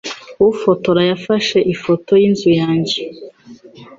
Ufotora yafashe ifoto yinzu yanjye.